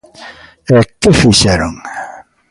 E ¿que fixeron?